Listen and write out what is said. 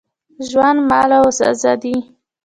ژوند، مال او آزادي